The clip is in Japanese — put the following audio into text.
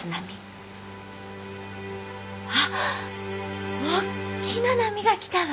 あっ大きな波が来たわ！